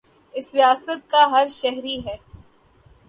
اس ریاست کا ہر شہری ہے